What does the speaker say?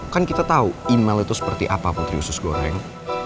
kan kita tau imel itu seperti apa putri sus goreng